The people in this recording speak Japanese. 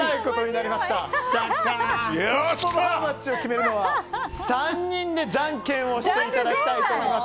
トップ・オブ・ハウマッチを決めるのは、３人でじゃんけんしていただきたいと思います。